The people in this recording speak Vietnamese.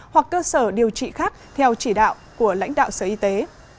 hoặc cơ sở điều trị khác theo chỉ đạo của lãnh đạo sở y tế